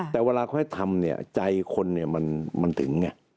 แต่เวลาเขาให้ทำใจคนมันถึง